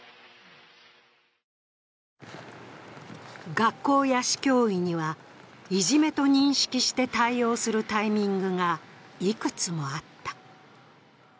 学校や市教委には、いじめと認識して対応するタイミングがいくつもあった。